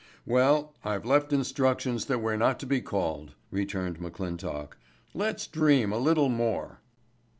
"Well, I've left instructions that we're not to be called," returned McClintock. "Let's dream a little more."